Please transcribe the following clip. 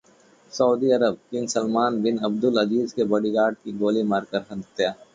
Saudi अरबः king Salman bin Abdul Aziz के bodyguard की गोली मारकर हत्या